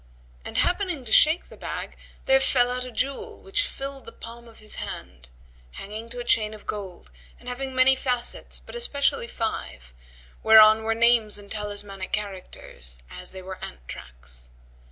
And happening to shake the bag there fell out a jewel which filled the palm of the hand, hanging to a chain of gold and having many facets but especially five, whereon were names and talismanic characters, as they were ant tracks.